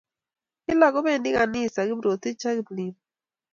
Kila kopendi ganisa Kiprotich ak Kiplimo.